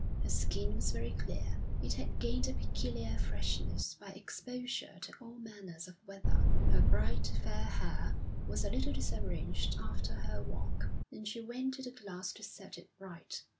Her skin was very clear. It had gained a peculiar freshness by exposure to all manner of weather. Her bright, fair hair was a little disarranged after her walk, and she went to the glass to set it right.